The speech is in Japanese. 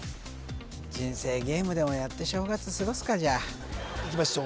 人生ゲームでもやって正月すごすかじゃあいきましょう